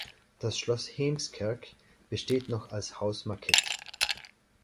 Das Schloss Heemskerk besteht noch als Haus Marquette.